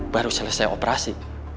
baru selesai operasi